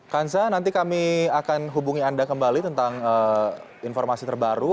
kansa nanti kami akan hubungi anda kembali tentang informasi terbaru